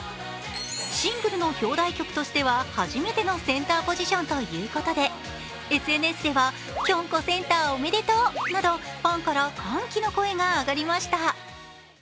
シングルの表題曲としては初めてのセンターポジションということでＳＮＳでは「きょんこセンターおめでとう」などファンから歓喜の声が上がりました。